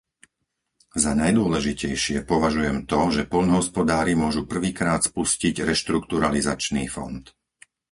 Za najdôležitejšie považujem to, že poľnohospodári môžu prvýkrát spustiť reštrukturalizačný fond.